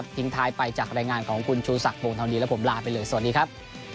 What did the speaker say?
ท้ายไปจากรายงานของคุณชูศักดิวงทองดีและผมลาไปเลยสวัสดีครับ